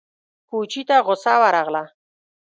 کوچي ته غوسه ورغله!